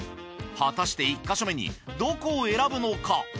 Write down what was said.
果たして１ヵ所目にどこを選ぶのか？